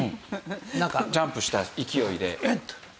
ジャンプした勢いで。